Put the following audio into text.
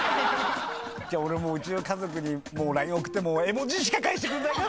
俺うちの家族にＬＩＮＥ送っても絵文字しか返してくんないから！